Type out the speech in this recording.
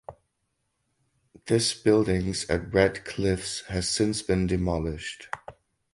This buildings at "Red Cliffs" has since been demolished.